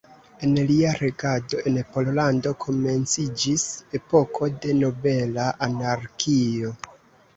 En lia regado en Pollando komenciĝis epoko de nobela anarkio.